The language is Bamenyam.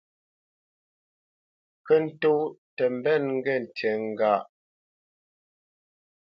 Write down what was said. Ŋkə́ ntó tə mbə́nə ŋkə ŋge ntí ŋkâʼ.